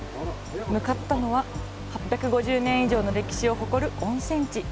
向かったのは８５０年以上の歴史を誇る温泉地。